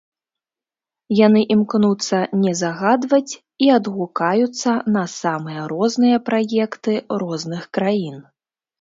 Яны імкнуцца не загадваць і адгукаюцца на самыя розныя праекты розных краін.